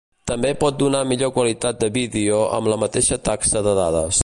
També pot donar millor qualitat de vídeo amb la mateixa taxa de dades.